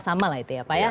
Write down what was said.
sama lah itu ya pak ya